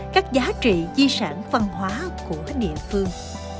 các giá trị di sản văn hóa của địa phương